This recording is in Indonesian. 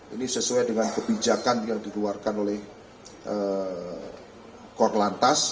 ini sesuai dengan kebijakan yang dikeluarkan oleh kor lantas